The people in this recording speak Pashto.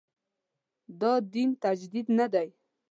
دا دین تجدید نه دی.